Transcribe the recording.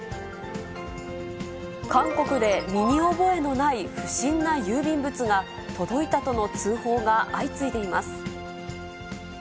韓国で身に覚えのない不審な郵便物が届いたとの通報が相次いでいます。